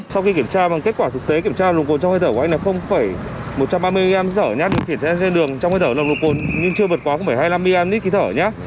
sau khi kiểm tra bằng kết quả thực tế kiểm tra nồng cồn trong hơi thở của anh là một trăm ba mươi m dở nhát được khiến anh trên đường trong hơi thở nồng độ cồn nhưng chưa vượt quá hai mươi năm m nít khi thở nhá